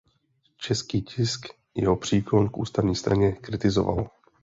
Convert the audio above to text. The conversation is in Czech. Český tisk jeho příklon k Ústavní straně kritizoval.